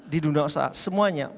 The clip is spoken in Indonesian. di dunia usaha semuanya